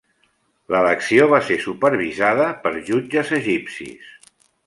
L'elecció va ser supervisada per jutges egipcis.